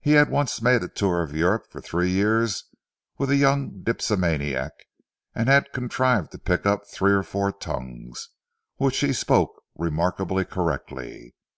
He had once made a tour of Europe for three years with a young dipsomaniac and had contrived to pick up three or four tongues, which he spoke remarkably correctly.